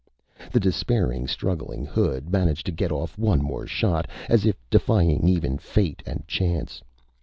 The despairing, struggling hood managed to get off one more shot, as if defying even fate and chance.